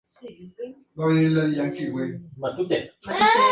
Se volvió una bailarina profesional con the Gary Harrison Dance Co.